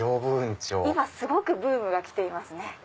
今すごくブームが来ていますね。